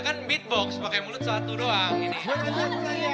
gak ada kan beatbox pake mulut satu doang